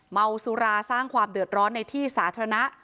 เมาสุราสร้างความเดือดร้อนในที่สาธารณะ